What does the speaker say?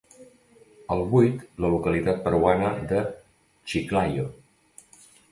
El vuit la localitat peruana de Chiclayo.